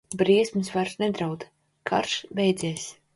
Briesmas vairs nedraud, karš beidzies.